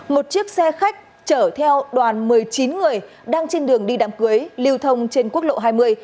một chiếc xe khách chở theo đoàn một mươi chín người đang trên đường đi đám cưới lưu thông trên quốc lộ hai mươi